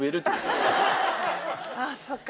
あっそっか。